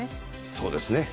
そうですね。